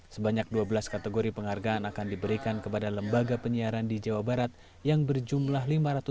sebanyak dua belas kategori penghargaan akan diberikan kepada lembaga penyiaran di jawa barat yang berjumlah lima ratus